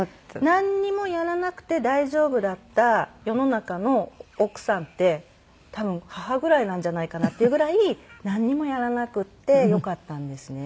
なんにもやらなくて大丈夫だった世の中の奥さんって多分母ぐらいなんじゃないかなっていうぐらいなんにもやらなくてよかったんですね。